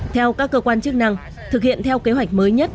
theo các cơ quan chức năng thực hiện theo kế hoạch mới nhất